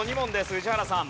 宇治原さん。